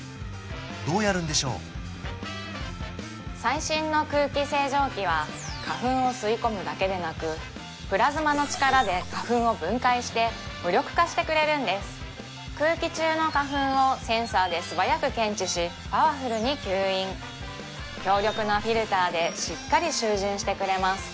どうやるんでしょう最新の空気清浄機は花粉を吸い込むだけでなくプラズマの力で花粉を分解して無力化してくれるんです空気中の花粉をセンサーで素早く検知しパワフルに吸引強力なフィルターでしっかり集じんしてくれます